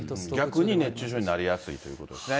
逆に熱中症になりやすいということですね。